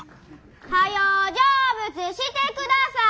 はよう成仏してください。